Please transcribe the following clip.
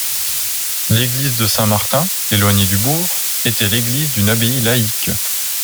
L'église de Saint-Martin, éloignée du bourg, était l'église d'une abbaye laïque.